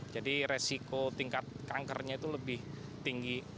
jadi resiko tingkat kankernya itu lebih tinggi